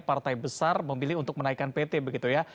partai besar memilih untuk menaikkan pt begitu ya